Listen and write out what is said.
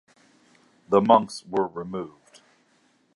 The monks were removed.